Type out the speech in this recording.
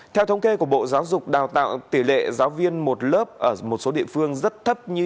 theo thống kê của bộ giáo dục đào tạo tỷ lệ giáo viên một lớp ở một số địa phương rất thấp như